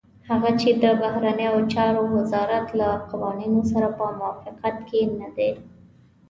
هغه چې د بهرنيو چارو وزارت له قوانينو سره په موافقت کې نه دي.